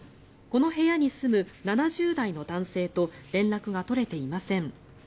この部屋に住む７０代の男性と連絡が取れていません。